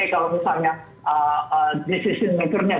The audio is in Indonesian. kalau misalnya decision makernya